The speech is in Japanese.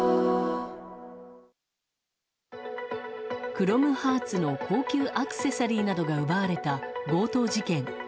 クロムハーツの高級アクセサリーなどが奪われた強盗事件。